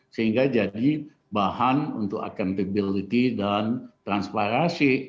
sehingga jadi bahan untuk accountability dan transparansi